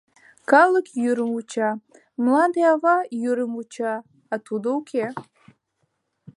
Калык йӱрым вуча, Мланде-ава йӱрым вуча, а тудо уке.